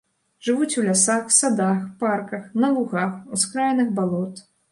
Жывуць у лясах, садах, парках, на лугах, ускраінах балот.